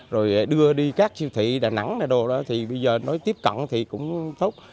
rồi đưa đi các siêu thị đà nẵng này đồ đó thì bây giờ nói tiếp cận thì cũng tốt